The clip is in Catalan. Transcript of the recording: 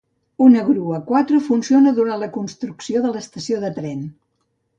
Una grua Quattro funciona durant la construcció de l'estació de tren.